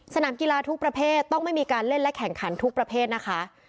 สนามกีฬาทุกประเภทต้องไม่มีการเล่นและแข่งขันทุกประเภทนะคะ